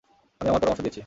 আমি আমার পরামর্শ দিয়েছি।